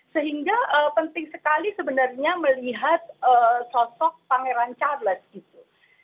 sehingga penting sekali sebenarnya melihat sosok pangeran charles gitu